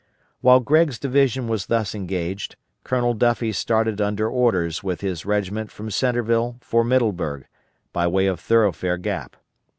While Gregg's division were thus engaged, Colonel Duffie started under orders with his regiment from Centreville for Middleburg, by way of Thoroughfare Gap.